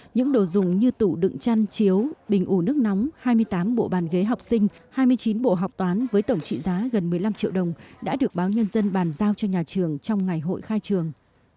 những đồ dùng như tủ đựng chăn chiếu bình ủ nước nóng hai mươi tám bộ bàn ghế học sinh hai mươi chín bộ học toán với tổng trị giá gần một mươi năm triệu đồng đã được báo nhân dân bàn giao cho nhà trường trong ngày hội khai trường